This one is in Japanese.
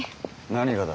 何がだ？